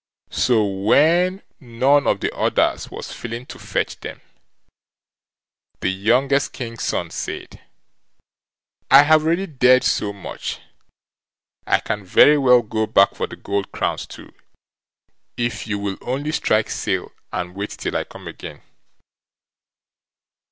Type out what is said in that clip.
So when none of the others was willing to fetch them, the youngest King's son said: "I have already dared so much, I can very well go back for the gold crowns too, if you will only strike sail and wait till I come again."